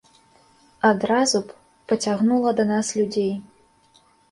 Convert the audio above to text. Адразу б пацягнула да нас людзей.